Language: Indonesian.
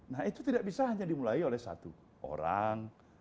nah itu tidak bisa hanya dimulai oleh satu orang